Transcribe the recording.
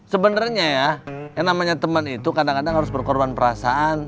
sebenarnya ya yang namanya teman itu kadang kadang harus berkorban perasaan